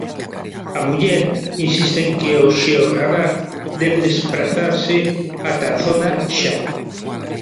A muller insiste en que o xeorradar debe desprazarse ata a zona xa.